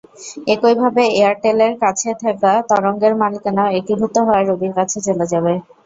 একইভাবে এয়ারটেলের কাছে থাকা তরঙ্গের মালিকানাও একীভূত হওয়া রবির কাছে চলে যাবে।